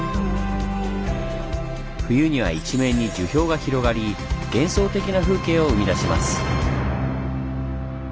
冬には一面に樹氷が広がり幻想的な風景を生み出します。